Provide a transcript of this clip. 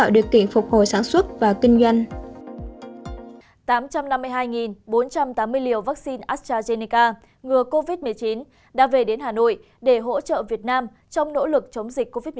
tám trăm năm mươi hai bốn trăm tám mươi liều vaccine astrazeneca ngừa covid một mươi chín đã về đến hà nội để hỗ trợ việt nam trong nỗ lực chống dịch covid một mươi chín